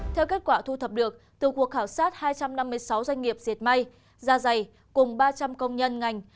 theo kết quả thu thập được từ cuộc khảo sát hai trăm năm mươi sáu doanh nghiệp diệt may da dày cùng ba trăm linh công nhân ngành